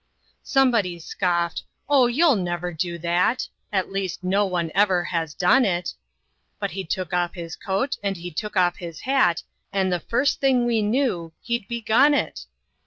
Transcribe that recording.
Somebody scoffed: "Oh, you'll never do that; At least no one ever has done it"; But he took off his coat and he took off his hat, And the first thing we knew he'd begun it.